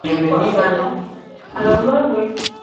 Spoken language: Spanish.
Por el norte pasa el río Ter.